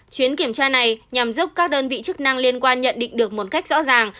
chuyến kiểm tra này nhằm giúp các đơn vị chức năng liên quan nhận định được một cách rõ ràng